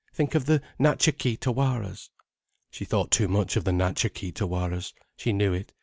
Think of the Natcha Kee Tawaras! She thought too much of the Natcha Kee Tawaras. She knew it.